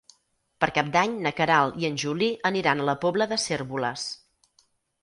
Per Cap d'Any na Queralt i en Juli aniran a la Pobla de Cérvoles.